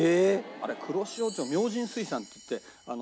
あれ黒潮町の明神水産っていって向こうの。